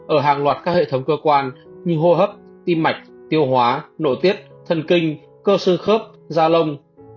ở hàng loạt các hệ thống cơ quan như hô hấp tim mạch tiêu hóa nội tiết thân kinh cơ sơ khớp da lông